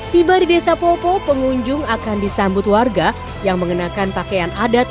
tiba di desa popo pengunjung akan disambut warga yang mengenakan pakaian adat